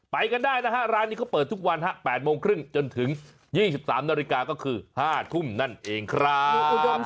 ไปกันได้นะฮะร้านนี้เขาเปิดทุกวัน๘โมงครึ่งจนถึง๒๓นาฬิกาก็คือ๕ทุ่มนั่นเองครับ